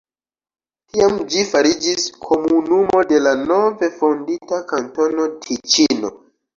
Tiam ĝi fariĝis komunumo de la nove fondita Kantono Tiĉino.